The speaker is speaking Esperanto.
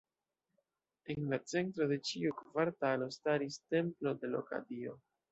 En la centro de ĉiu kvartalo staris templo de loka dio.